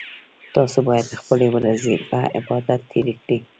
تاسو باید خپلې ورځې په عبادت تیرې کړئ